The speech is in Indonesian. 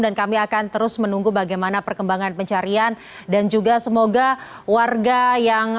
dan kami akan terus menyertai anda di jam berikutnya